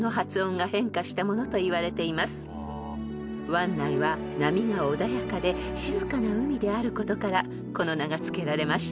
［湾内は波が穏やかで静かな海であることからこの名がつけられました］